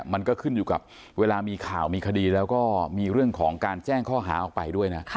มันก็ขึ้นอยู่กับเวลามีข่าวมีคดีแล้วก็มีเรื่องของการแจ้งข้อหาออกไปด้วยนะ